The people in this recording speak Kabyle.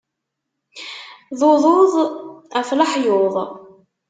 D uḍuḍ af leḥyuḍ.